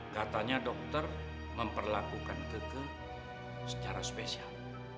katanya dokter memperlakukan keke secara spesial